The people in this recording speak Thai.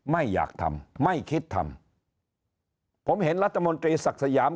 ไม่อยากทำไม่คิดทำผมเห็นรัฐมนตรีศักดิ์สยาม